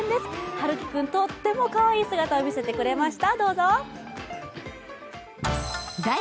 陽喜君とってもかわいい姿を見せてくれました。